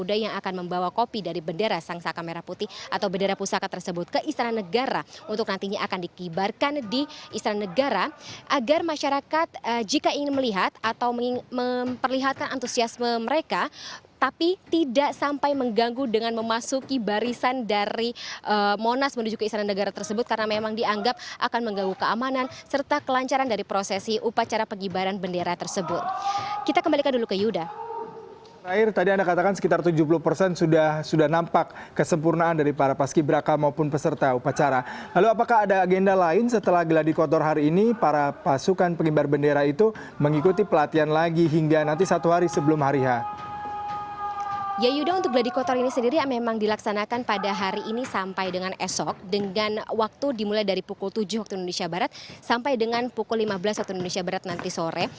dengan waktu dimulai dari pukul tujuh waktu indonesia barat sampai dengan pukul lima belas waktu indonesia barat nanti sore